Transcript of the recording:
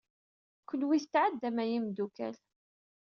Kenwi tetɛeddam a imeddukal.